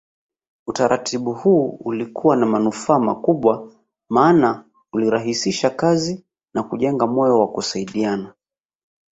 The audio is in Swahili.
Utaratibu huu ulikuwa na manufaa makubwa maana ulirahisisha kazi na kujenga moyo wa kusaidiana